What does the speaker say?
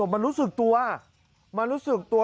มันรู้สึกตัวมันรู้สึกตัว